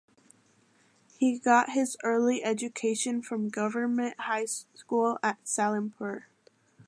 He got his early education from Government High School at Salempur.